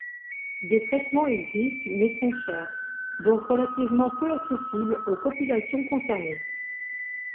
Des traitements existent mais sont chers, donc relativement peu accessibles aux populations concernées.